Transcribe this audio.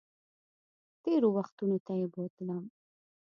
تېرو وختونو ته یې بوتلم